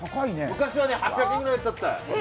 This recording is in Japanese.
昔は８００円ぐらいやった。